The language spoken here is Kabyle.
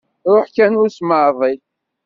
Ruḥ kan ur smeεḍil.